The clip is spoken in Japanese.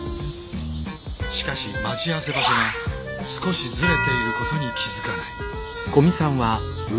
しかし待ち合わせ場所が少しズレていることに気付かない。